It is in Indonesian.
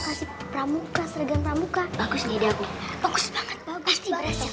kasih seragam pramuka bagus ide aku bagus banget pasti berhasil